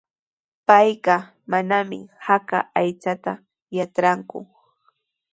Payqa manami haka aychata yatranku.